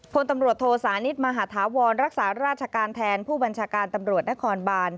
พลตำรวจโทสานิทมหาธาวรรักษาราชการแทนผู้บัญชาการตำรวจนครบาน